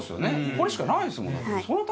これしかないですもんだって。